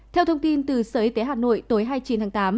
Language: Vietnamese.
theo thông tin từ sở y tế hà nội tối hai mươi chín tháng tám